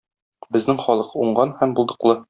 Безнең халык - уңган һәм булдыклы.